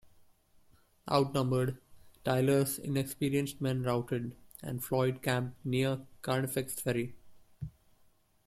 Outnumbered, Tyler's inexperienced men routed, and Floyd camped near Carnifex Ferry.